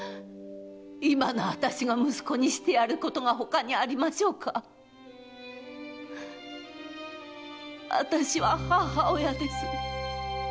今のあたしが息子にしてやれることが他にありましょうか⁉あたしは母親です‼